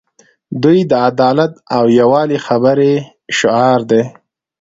دوی د عدالت او یووالي خبرې شعار دي.